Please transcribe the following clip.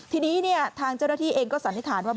ทีนี้ทางเจ้าหน้าที่เองก็สันนิษฐานว่า